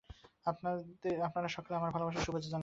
আপনারা সকলে আমার ভালবাসা ও শুভেচ্ছা জানবেন।